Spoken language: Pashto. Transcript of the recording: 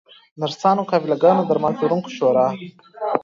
نرسانو، قابله ګانو، درمل پلورونکو شورا